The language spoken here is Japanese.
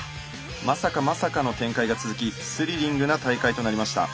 まさかまさかの展開が続きスリリングな大会となりました。